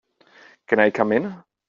Can I come in?